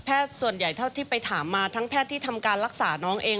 ส่วนใหญ่เท่าที่ไปถามมาทั้งแพทย์ที่ทำการรักษาน้องเอง